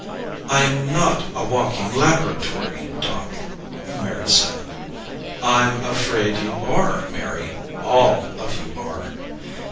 "I'm not a walking laboratory, Doc," Mary said. "I'm afraid you are, Mary. All of you are."